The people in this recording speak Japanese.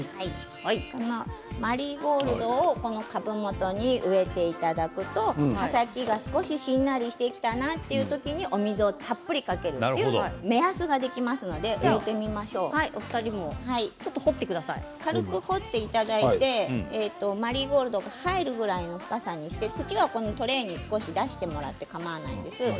このマリーゴールドを株元に植えていただくと葉先が少ししんなりしてきたなという時にお水をたっぷりかけるという目安ができますのでお二人も、ちょっと掘って軽く掘っていただいてマリーゴールドが入るぐらいの深さにしていただいて土はトレーに出していただいてかまわないです。